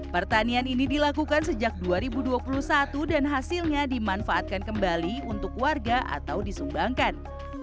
pertanian ini dilakukan sejak dua ribu dua puluh satu dan hasilnya dimanfaatkan kembali untuk warga atau disumbangkan